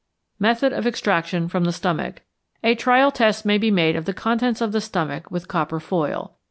Method of Extraction from the Stomach. A trial test may be made of the contents of the stomach with copper foil.